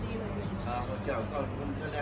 ตัวเลขมันเหมาะพอดีเลย